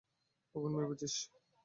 কখন মেপেছিস?